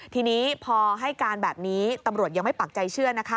ทีนี้พอให้การแบบนี้ตำรวจยังไม่ปักใจเชื่อนะคะ